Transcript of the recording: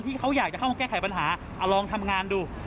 ที่เขาอยากจะเข้ามาแก้ไขปัญหาเอาลองทำงานดู